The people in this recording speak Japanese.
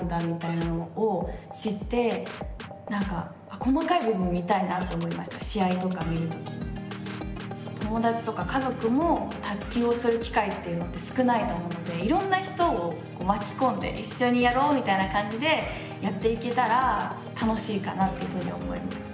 こういう友達とか家族も卓球をする機会っていうのって少ないと思うのでいろんな人を巻き込んで一緒にやろうみたいな感じでやっていけたら楽しいかなというふうに思いました。